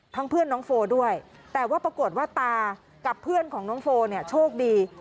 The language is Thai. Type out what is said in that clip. เพื่อนน้องโฟด้วยแต่ว่าปรากฏว่าตากับเพื่อนของน้องโฟเนี่ยโชคดี